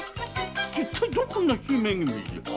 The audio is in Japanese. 一体どこの姫君じゃ？？